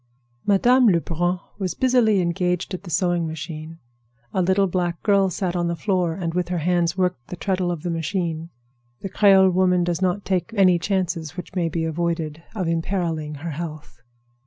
Madame Lebrun was busily engaged at the sewing machine. A little black girl sat on the floor, and with her hands worked the treadle of the machine. The Creole woman does not take any chances which may be avoided of imperiling her health.